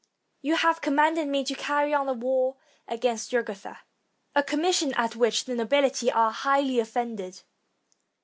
You have commanded me to carry on the war against Jugurtha; a commission at which the nobihty are highly offended.